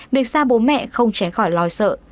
việc xa bố mẹ không tránh khỏi lo sợ